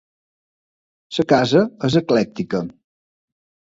La casa és eclèctica.